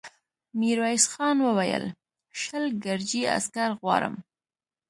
ميرويس خان وويل: شل ګرجي عسکر غواړم.